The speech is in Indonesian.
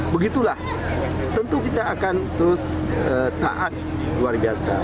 begitulah tentu kita akan terus taat luar biasa